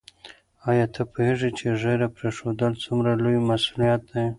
آیا ته پوهېږې چې ږیره پرېښودل څومره لوی مسؤلیت دی؟